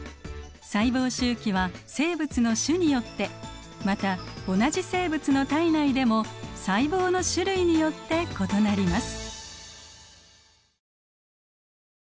細胞周期は生物の種によってまた同じ生物の体内でも細胞の種類によって異なります。